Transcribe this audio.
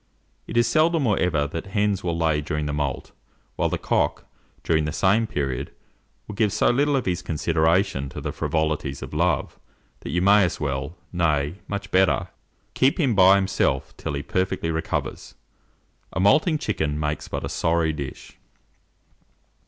It is seldom or ever that hens will lay during the moult; while the cock, during the same period, will give so little of his consideration to the frivolities of love, that you may as well, nay, much better, keep him by himself till he perfectly recovers. A moulting chicken makes but a sorry dish.